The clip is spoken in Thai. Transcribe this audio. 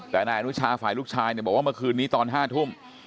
แต่นายอนุชาฝ่ายลูกชายบอกว่าเมื่อคืนนี้ตอน๕ทุ่ม